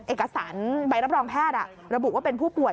เอกสารใบรับรองแพทย์ระบุว่าเป็นผู้ป่วย